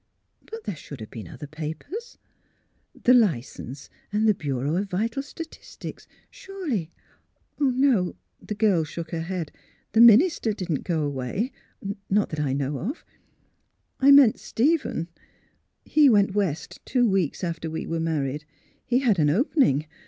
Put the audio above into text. But there should have been other papers — the license and the Bureau of Vital Statistics; surely " The girl shook her head. '' The minister didn't go away — not that I know of. I meant Stephen. He went West two weeks after we were married. He had an opening.